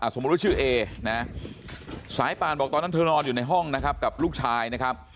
สมมุติว่าชื่อเอนะสายป่านบอกตอนนั้นเธอนอนอยู่ในห้องนะครับกับลูกชายนะครับ